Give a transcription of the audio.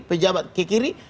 pejabat ke kiri